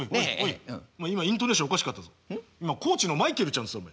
今コーチのマイケルちゃんって言った？